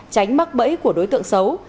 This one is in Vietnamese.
tránh mắc bẫy của đối tượng xấu